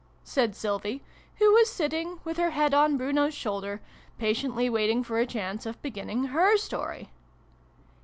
" said Sylvie, who was sitting, with her head on Bruno's shoulder, patiently waiting for a chance of beginning her story.